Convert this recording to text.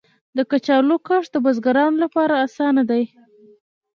د کچالو کښت د بزګرانو لپاره اسانه دی.